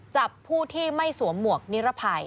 จับผู้ที่ไม่สวมหมวกนิรภัย